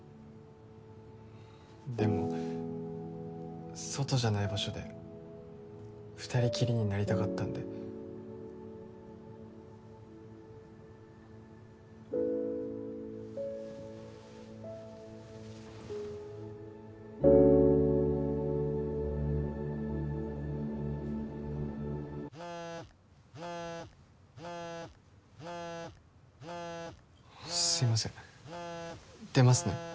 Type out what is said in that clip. でも外じゃない場所で二人きりになりたかったんですいません出ますね